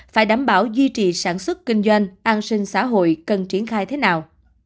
phải đảm bảo duy trì sản xuất kinh doanh an sinh xã hội cần triển khai thế nào